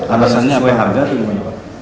alasannya sesuai harga atau gimana pak